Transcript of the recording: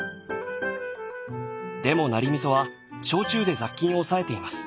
でもナリ味噌は焼酎で雑菌を抑えています。